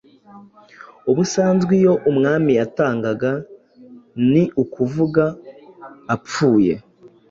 Ubusanzwe iyo umwami yatangaga ni ukuvuga apfuye